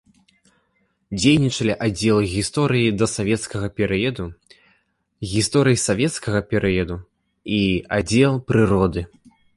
Дзейнічалі аддзелы гісторыі дасавецкага перыяду, гісторыі савецкага перыяду і аддзел прыроды.